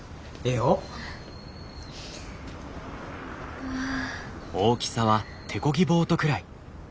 うわあ。